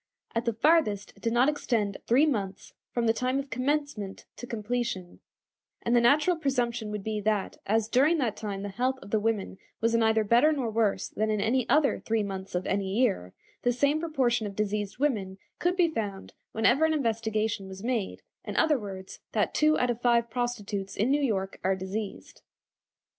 At the farthest it did not extend three months from the time of commencement to completion, and the natural presumption would be that, as during that time the health of the women was neither better nor worse than in any other three months of any year, the same proportion of diseased women could be found whenever an investigation was made; in other words, that two out of five prostitutes in New York are diseased.